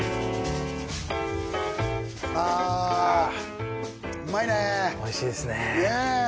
ああうまいねおいしいですねねえ